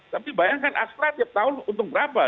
tapi bayangkan astra tiap tahun untung berapa